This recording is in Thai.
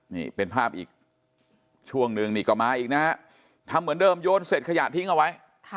นี่เป็นภาพอีกช่วงหนึ่งนี่ก็มาอีกนะฮะทำเหมือนเดิมโยนเสร็จขยะทิ้งเอาไว้